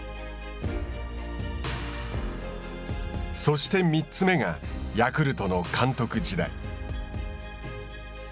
そして３つ目がヤクルトの監督時代。